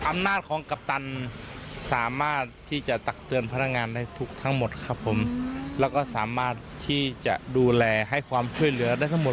อำนาจของกัปตันสามารถที่จะตักเตือนพนักงานได้ทุกทั้งหมดครับผมแล้วก็สามารถที่จะดูแลให้ความช่วยเหลือได้ทั้งหมด